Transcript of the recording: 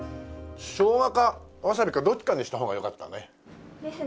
ショウガかワサビかどっちかにした方がよかったね。ですね。